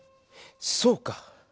そうか。